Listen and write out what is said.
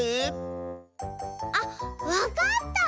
あっわかった！